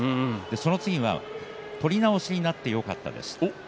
そのあとは取り直しになってよかったです